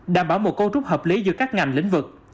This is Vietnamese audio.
đảm bảo một cấu trúc hợp lý giữa các ngành lĩnh vực